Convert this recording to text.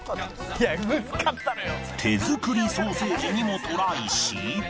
手作りソーセージにもトライし